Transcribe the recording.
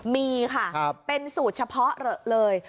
มีค่ะเป็นสูตรเฉพาะเหลอะเลย